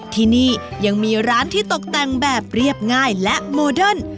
ที่นี่ยังมีร้านที่ตกแต่งแบบเรียบง่ายและโมเดิร์น